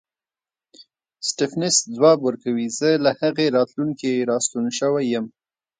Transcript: سټېفنس ځواب ورکوي زه له هغې راتلونکې راستون شوی یم.